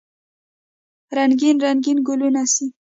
رنګین، رنګین ګلونه سي